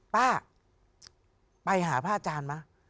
ป้าไปหาพระอาจารย์ไหม